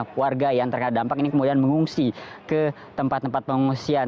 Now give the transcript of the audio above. keluarga yang terdampak ini kemudian mengungsi ke tempat tempat pengungsian